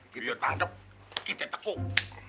kita tangkep kita tepuk